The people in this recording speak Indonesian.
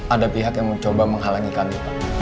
ada pihak yang mencoba menghalangi kami pak